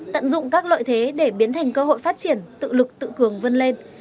tận dụng các lợi thế để biến thành cơ hội phát triển tự lực tự cường vân lên